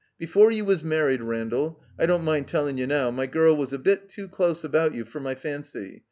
Before you was married, Randall, I don't mind telling you now, my girl was a bit too close about you for my fancy.